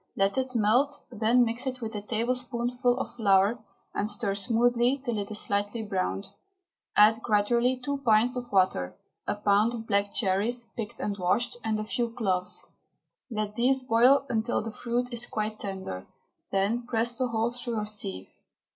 Let it melt, then mix it with a tablespoonful of flour, and stir smoothly until it is lightly browned. Add gradually two pints of water, a pound of black cherries, picked and washed, and a few cloves. Let these boil until the fruit is quite tender, then press the whole through a sieve.